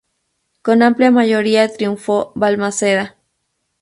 Con amplia mayoría triunfó Balmaceda.